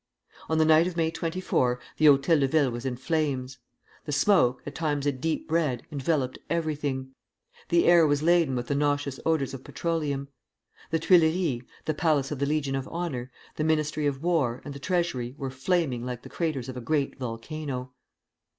On the night of May 24, the Hôtel de Ville was in flames. The smoke, at times a deep red, enveloped everything; the air was laden with the nauseous odors of petroleum. The Tuileries, the Palace of the Legion of Honor, the Ministry of War, and the Treasury were flaming like the craters of a great volcano.